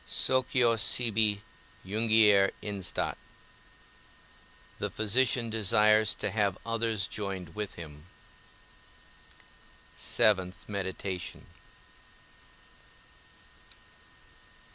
SOCIOS SIBI JUNGIER INSTAT. The physician desires to have others joined with him. VII. MEDITATION.